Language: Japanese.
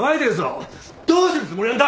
どうするつもりなんだ！